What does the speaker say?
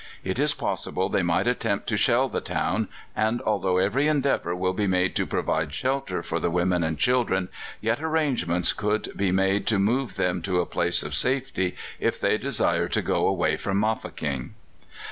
It is possible they might attempt to shell the town, and although every endeavour will be made to provide shelter for the women and children, yet arrangements could be made to move them to a place of safety if they desire to go away from Mafeking...."